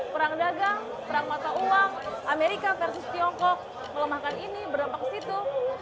perang dagang perang mata uang amerika versus tiongkok melemahkan ini berdampak ke situ